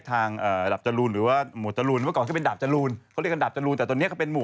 อ้านนี้จบรึยัง